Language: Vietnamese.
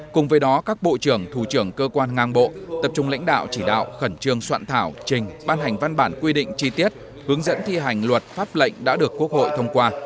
cùng với đó các bộ trưởng thủ trưởng cơ quan ngang bộ tập trung lãnh đạo chỉ đạo khẩn trương soạn thảo trình ban hành văn bản quy định chi tiết hướng dẫn thi hành luật pháp lệnh đã được quốc hội thông qua